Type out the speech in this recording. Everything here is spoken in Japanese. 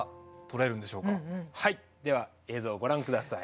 はいでは映像をご覧ください。